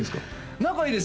仲いいです